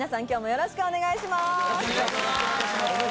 よろしくお願いします。